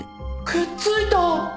くっついた！